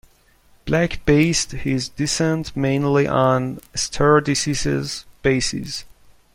Black based his dissent mainly on "stare decisis" basis.